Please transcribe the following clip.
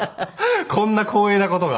こんな光栄な事が。